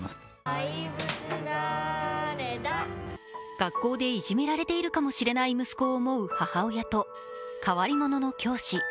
学校でいじめられているかもしれない息子を思う母親と変わり者の教師。